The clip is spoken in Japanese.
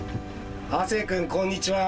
亜生君こんにちは。